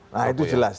nah itu jelas